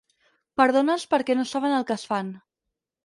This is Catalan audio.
Perdona'ls perquè no saben el que es fan.